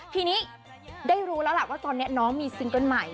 ทีนี้ได้รู้แล้วล่ะว่าตอนนี้น้องมีซิงเกิ้ลใหม่